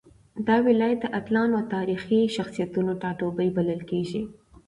دا ولايت د اتلانو او تاريخي شخصيتونو ټاټوبی بلل کېږي.